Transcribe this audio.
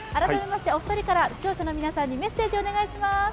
お二人から視聴者の皆さんにメッセージをお願いします。